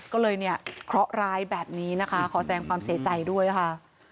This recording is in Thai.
ก็เลยเนี่ยเคราะห์ร้ายแบบนี้นะคะขอแสงความเสียใจด้วยค่ะ